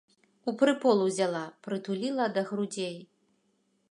У прыпол узяла, прытуліла да грудзей.